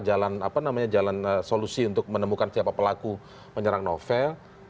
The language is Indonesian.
jalan solusi untuk menemukan siapa pelaku menyerang novel